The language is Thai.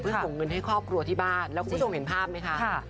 เพื่อส่งเงินให้ครอบครัวที่บ้านแล้วคุณผู้ชมเห็นภาพไหมคะ